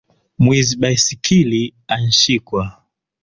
Mwizi baiskili anshikwa